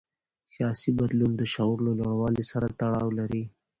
سیاسي بدلون د شعور له لوړوالي سره تړاو لري